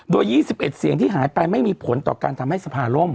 โดย๒๑เสียงที่หายไปไม่มีผลต่อการทำให้สภาล่ม